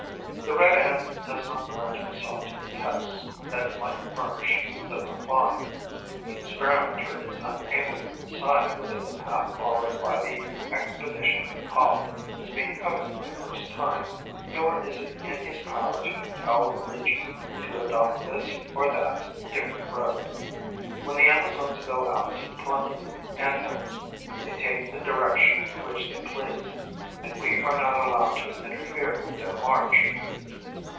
The Red Ant does not lend herself to the tests that might furnish the reply: the experimenter is unable to decide whether the path followed by the expeditionary column is being covered for the first time, nor is it in his power to compel the legion to adopt this or that different road. When the Amazons go out to plunder the Ant hills, they take the direction which they please; and we are not allowed to interfere with their march.